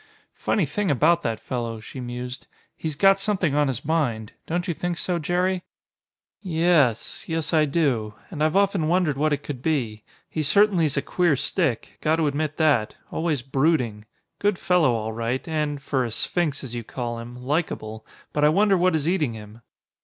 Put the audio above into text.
"Funny thing about that fellow," she mused. "He's got something on his mind. Don't you think so, Jerry?" "Y es, yes I do. And I've often wondered what it could be. He certainly's a queer stick. Got to admit that. Always brooding. Good fellow all right, and, for a 'sphinx' as you call him, likable. But I wonder what is eating him?"